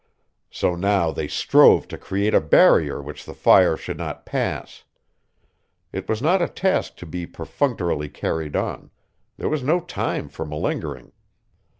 So now they strove to create a barrier which the fire should not pass. It was not a task to be perfunctorily carried on, there was no time for malingering.